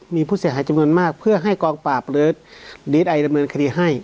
มีผู้เสียหายจำนวนมากเพื่อให้กองปราบหรือคดีให้